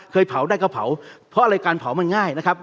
เผาได้ก็เผาเพราะอะไรการเผามันง่ายนะครับ